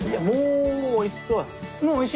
もうおいしそう。